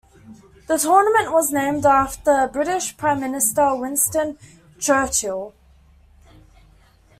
The tournament was named after British Prime Minister Winston Churchill.